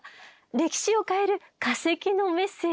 歴史を変える化石のメッセージ。